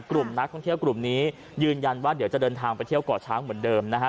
กลุ่มนักท่องเที่ยวกลุ่มนี้ยืนยันว่าเดี๋ยวจะเดินทางไปเที่ยวก่อช้างเหมือนเดิมนะฮะ